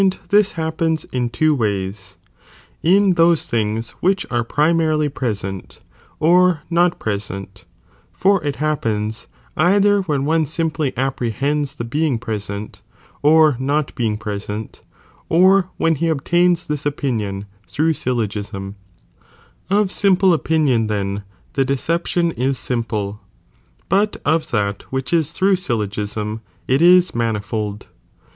Seflnitian of this happens in two ways, in those thinga which S.'d'ofi.r.radiii are primarily present, or not present ; for it hap ^i'"''' pens either when one eimply apprehends the being present, or not being present, or when he obtains this opinion through eyllo^sDi : of simple opinion, then, tlie deception is simple, but of that which is through syllogism, it is manifold.